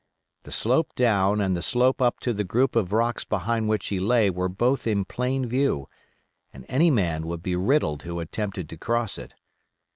The slope down and the slope up to the group of rocks behind which he lay were both in plain view, and any man would be riddled who attempted to cross it.